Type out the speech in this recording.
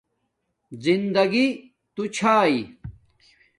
زندگݵ تو چھݳی